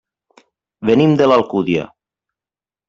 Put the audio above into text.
Venim de l'Alcúdia.